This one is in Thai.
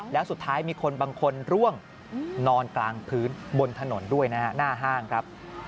แล้วสุดท้ายมีคนบางคนร่วงนอนกลางพื้นบนถนนด้วยนะฮะหน้าห้างครับ